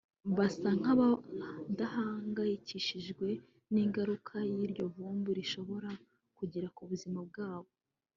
basa nk’abadahangayikishijwe n’ingaruka iryo vumbi rishobora kugira ku buzima bwabo